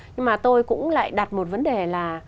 nhưng mà tôi cũng lại đặt một vấn đề là